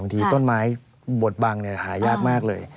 บางทีต้นไม้บดบังเนี่ยหายากมากเลย